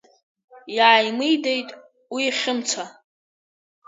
Иааимидеит уи Хьымца.